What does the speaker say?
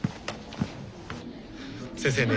先生ね